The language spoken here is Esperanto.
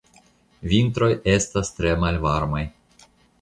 Vintroj estas tre malvarmaj.